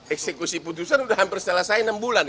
eksekusi putusan sudah hampir selesai enam bulan